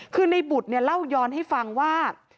คือในบุตรเนี่ยเล่าย้อนให้ฟังว่า